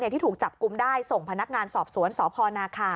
ที่ถูกจับกลุ่มได้ส่งพนักงานสอบสวนสพนาคา